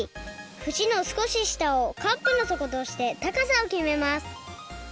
ふしのすこししたをカップの底としてたかさをきめます。